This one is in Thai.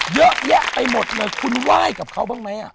เยอะแยะไปหมดเลยคุณไหว้กับเขาบ้างไหม